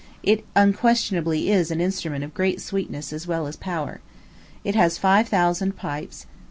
It unquestionably is an instrument of great sweetness as well as power. It has five thousand pipes.